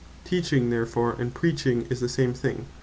Teaching therefore, and Preaching is the same thing.